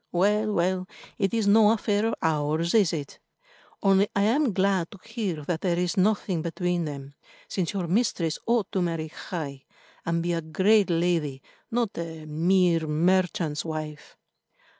Well, well, it is no affair of ours, is it? Only I am glad to hear that there is nothing between them, since your mistress ought to marry high, and be a great lady, not a mere merchant's wife."